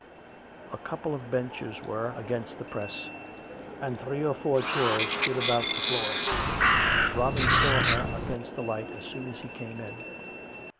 A couple of benches were against the press, and three or four chairs stood about the floor. Robin saw her against the light as soon as he came in.